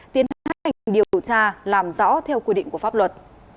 tiến hành điều tra làm rõ theo quy định của pháp luật